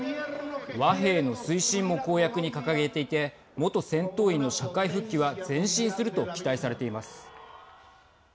和平の推進も公約に掲げていて元戦闘員の社会復帰は前進すると期待されています。